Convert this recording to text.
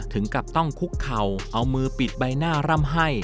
ถึงกับต้องคุกเข่าเอามือปิดใบหน้าร่ำให้